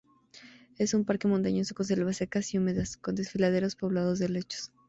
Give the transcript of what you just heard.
Es un parque montañoso con selvas secas y húmedas, con desfiladeros poblados de helechos.